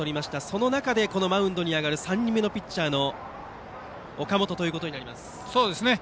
その中でマウンドに上がる３人目のピッチャーの岡本となります。